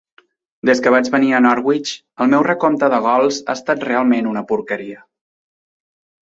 Des que vaig venir a Norwich, el meu recompte de gols ha estat realment una porqueria.